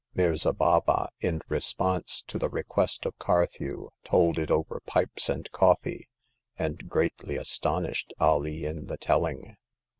Mirza Baba, in response to the request of Carthew, told it over pipes and coffee, and greatly aston ished Alee in the telling.